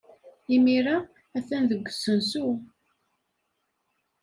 Imir-a, atan deg usensu.